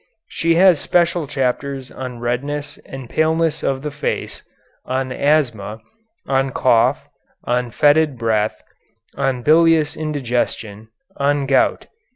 She has special chapters on redness and paleness of the face, on asthma, on cough, on fetid breath, on bilious indigestion, on gout.